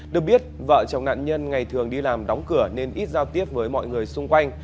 được biết vợ chồng nạn nhân ngày thường đi làm đóng cửa nên ít giao tiếp với mọi người xung quanh